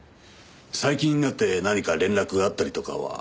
最近になって何か連絡があったりとかは。